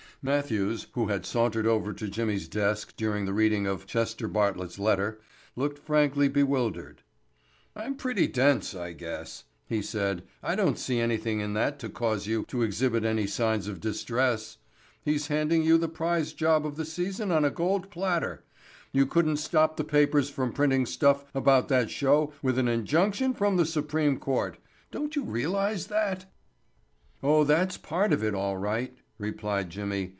'" Matthews, who had sauntered over to Jimmy's desk during the reading of Chester Bartlett's letter, looked frankly bewildered. "I'm pretty dense, I guess," he said. "I don't see anything in that to cause you to exhibit any signs of distress. He's handing you the prize job of the season on a gold platter. You couldn't stop the papers from printing stuff about that show with an injunction from the Supreme Court. Don't you realize that?" "Oh, that part of it's all right," replied Jimmy.